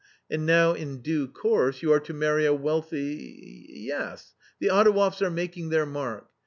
And now, in due course, you are to marry a wealthy .... Yes, the Adouevs are making their mark.